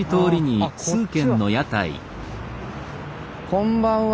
こんばんは。